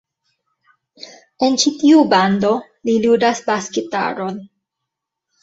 En ĉi-tiu bando, li ludas bas-gitaron.